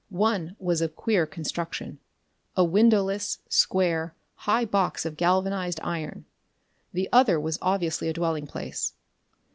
One was of queer construction a windowless, square, high box of galvanized iron. The other was obviously a dwelling place.